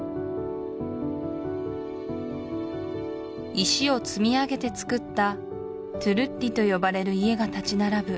石を積み上げてつくったトゥルッリと呼ばれる家が立ち並ぶ